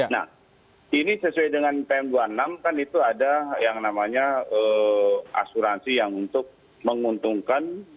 nah ini sesuai dengan pm dua puluh enam kan itu ada yang namanya asuransi yang untuk menguntungkan